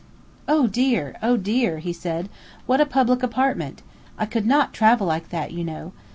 "Oh, dear! Oh, dear!" he said. "What a public apartment! I could not travel like that, you know.